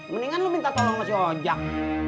mendingan lo minta tolong sama si ojak